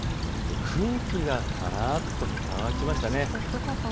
空気が、からっと乾きましたね。